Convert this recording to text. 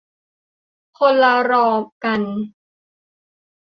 คนละรอมกัน